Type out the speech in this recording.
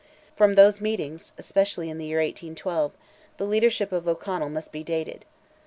From those meetings, especially in the year 1812, the leadership of O'Connell must be dated.